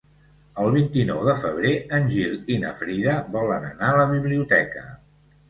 El vint-i-nou de febrer en Gil i na Frida volen anar a la biblioteca.